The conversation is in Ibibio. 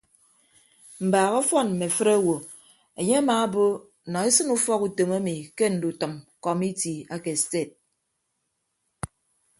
Mbaak ọfọn mme afịt owo enye amaabo nọ esịn ufọkutom emi ke ndutʌm kọmiti ake sted.